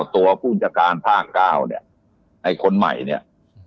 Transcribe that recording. ผู้บัญชาการภาค๙เนี่ยไอ้คนใหม่เนี่ย